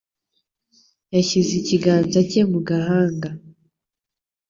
Yashyize ikiganza cye mu gahanga.